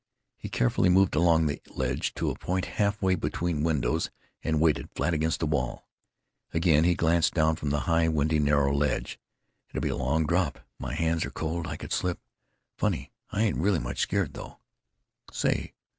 He carefully moved along the ledge to a point half way between windows and waited, flat against the wall. Again he glanced down from the high, windy, narrow ledge. "It 'd be a long drop.... My hands are cold.... I could slip. Funny, I ain't really much scared, though.... Say!